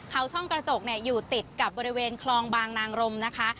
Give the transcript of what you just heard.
เขาช่องกระจกอยู่ติดกับบริเวณคลองบางนางรมนะคะ